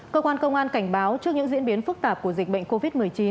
cơ quan công an cảnh báo trước những diễn biến phức tạp của dịch bệnh covid một mươi chín